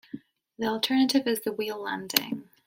The alternative is the "wheel landing".